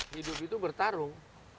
hidup itu bertarung